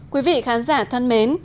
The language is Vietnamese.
quý vị khán giả thân mến